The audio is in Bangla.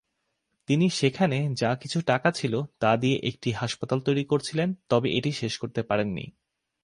তিনি সেখানে যা কিছু টাকা ছিল তা দিয়ে একটি হাসপাতাল তৈরি করছিলেন, তবে এটি শেষ করতে পারেননি।